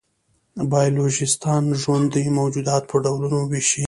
بایولوژېسټان ژوندي موجودات په ډولونو وېشي.